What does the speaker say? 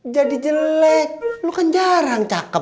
jadi jelek lu kan jarang cakep